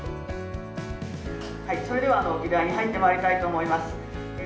はい、それでは議題に入ってまいりたいと思います。